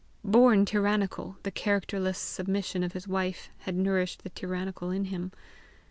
Born tyrannical, the characterless submission of his wife had nourished the tyrannical in him.